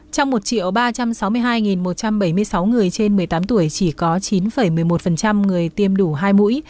trong một ba trăm sáu mươi hai một trăm bảy mươi sáu người trên một mươi tám tuổi chỉ có chín một mươi một người tiêm đủ hai mũi